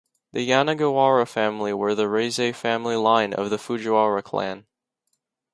The Yanagiwara family were of the Reizei family line of the Fujiwara clan.